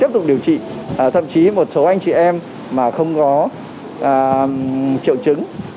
tiếp tục điều trị thậm chí một số anh chị em mà không có triệu chứng